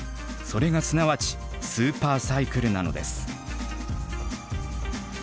それがすなわち「スーパーサイクル」なのです。